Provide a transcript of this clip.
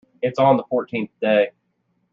It's on the fourteenth day.